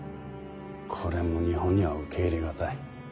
これも日本には受け入れ難い。